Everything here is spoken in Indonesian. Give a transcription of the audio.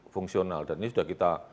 fungsional dan ini sudah kita